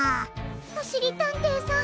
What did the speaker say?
おしりたんていさん